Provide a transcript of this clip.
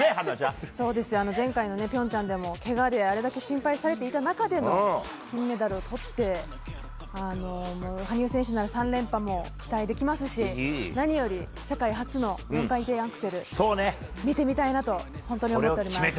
前回の平昌でもけがであれだけ心配されていた中での金メダルをとって羽生選手なら３連覇も期待できますし何より世界初の４回転アクセル見てみたいなと思っています。